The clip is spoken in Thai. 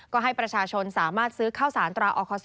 ก็ให้ประชาชนสามารถซื้อข้าวสารตราอคศ